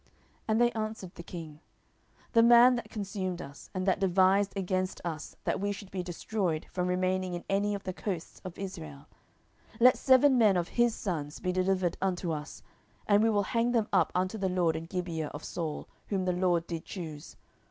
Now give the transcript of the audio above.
10:021:005 And they answered the king, The man that consumed us, and that devised against us that we should be destroyed from remaining in any of the coasts of Israel, 10:021:006 Let seven men of his sons be delivered unto us, and we will hang them up unto the LORD in Gibeah of Saul, whom the LORD did choose.